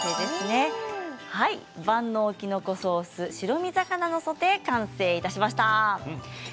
万能きのこソース白身魚のソテー完成いたしました。